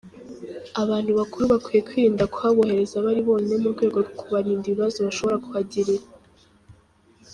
Abantu bakuru bakwiye kwirinda kuhabohereza bari bonyine mu rwego rwo kubarinda ibibazo bashobora kuhagirira.